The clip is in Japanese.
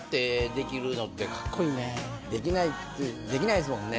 できないできないっすもんね。